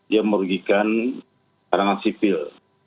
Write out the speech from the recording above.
yang merugikan harangan sipil